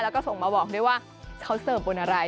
แล้วก็ส่งมาบอกด้วยว่าเขาเสิร์ฟบนอะไร